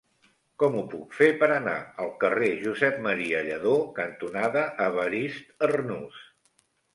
Com ho puc fer per anar al carrer Josep M. Lladó cantonada Evarist Arnús?